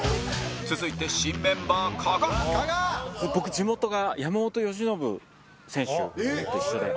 続いて、新メンバー、加賀僕、地元が山本由伸選手と一緒で。